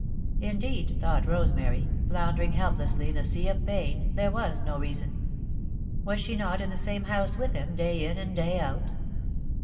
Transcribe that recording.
Indeed, thought Rosemary, floundering helplessly in a sea of pain, there was no reason. Was she not in the same house with him, day in and day out?